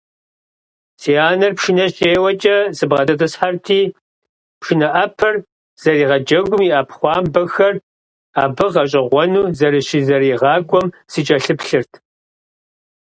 Си анэр пшынэ щеуэкӀэ сыбгъэдэтӀысхьэрти, пшынэ Ӏэпэр зэригъэджэгум, и Ӏэпхъуамбэхэр абы гъэщӀэгъуэну зэрыщызэригъакӀуэм сыкӀэлъыплъырт.